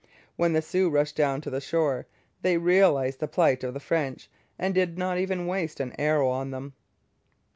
When the Sioux rushed down to the shore, they realized the plight of the French, and did not even waste an arrow on them.